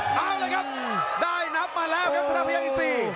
เอาละครับได้นับมาแล้วครับธนาพยักษี